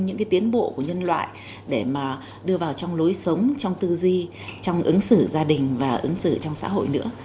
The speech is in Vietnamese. những cái tiến bộ của nhân loại để mà đưa vào trong lối sống trong tư duy trong ứng xử gia đình và ứng xử trong xã hội nữa